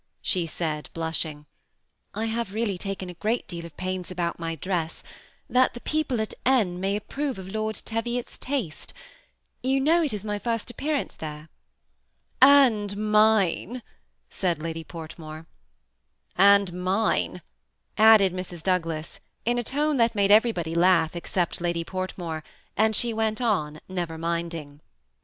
" she said, blushing ;" I have really taken a great deal of pains about my dress, that the people at N may approve of Lord Teviot's taste. You know it is my flrst appearance there." " And mine," said Lady Portmore. " And mine," added Mrs. Douglas, in a tone that made everybody laugh except Lady Portmore, and she went on, never minding. 188 THE 8BMI ATTACHBD COUPLE.